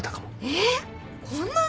えっこんなに？